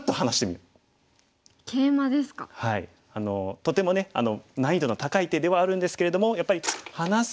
とても難易度の高い手ではあるんですけれどもやっぱり離す